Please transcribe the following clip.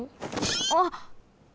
あっ。